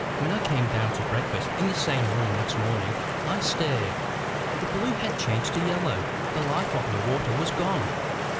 When I came down to breakfast in the same room next morning, I stared. The blue had changed to yellow. The life of the water was gone.